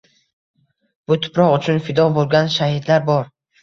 Bu tuproq uchun fido bo‘lgan shahidlar bor.